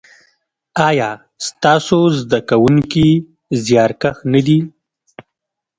ایا ستاسو زده کونکي زیارکښ نه دي؟